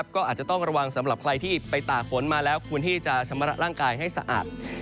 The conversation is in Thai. ก็อาจจะต้องระวังสำหรับใครที่ไปตากฝนมาแล้วควรที่จะชำระร่างกายให้สะอาด